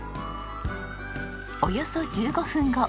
およそ１５分後。